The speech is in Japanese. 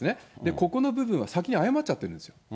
ここの部分は先に謝っちゃってるんですよ。